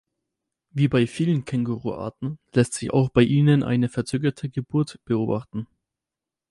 Wie bei vielen Känguruarten lässt sich auch bei ihnen eine verzögerte Geburt beobachten.